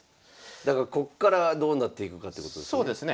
だからこっからどうなっていくかってことですね。